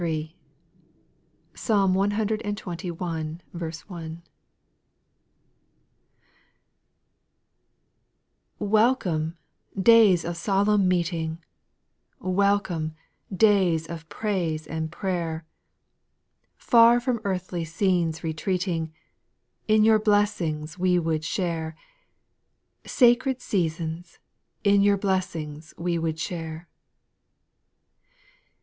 Psalm cxxi. 1. 1, 11/ ELCOME, days of solemn meeting I IT Welcome, days of praise and prayer I Far from earthly scenes retreating. In your blessings we would share, — Sacred seasons, In your blessings we would share.